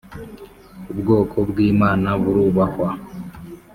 Ubwoko bwimana burubahwa